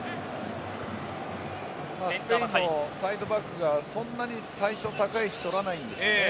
スペインのサイドバックはそんなに最初高い位置、取らないんですよね。